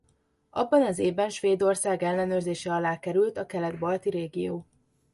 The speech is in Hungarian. Abban az évben Svédország ellenőrzése alá került a kelet-balti régió.